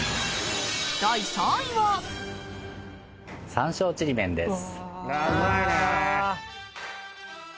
山椒ちりめんです。